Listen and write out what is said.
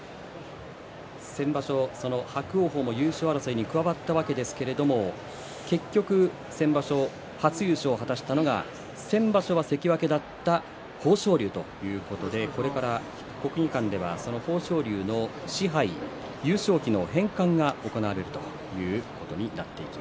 先場所、この伯桜鵬も優勝争いに加わったわけですが結局、先場所、初優勝を果たしたのが先場所、関脇だった豊昇龍ということでこれから国技館では豊昇龍の賜盃、優勝旗の返還が行われます。